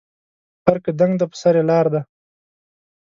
غر که دنګ دی په سر یې لار ده